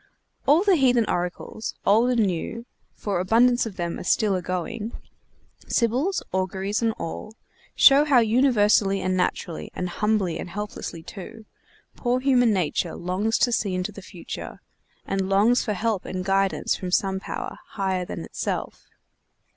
All the heathen oracles, old and new (for abundance of them are still agoing,) sibyls, auguries and all, show how universally and naturally, and humbly and helplessly too, poor human nature longs to see into the future, and longs for help and guidance from some power, higher than itself.